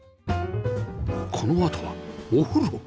このあとはお風呂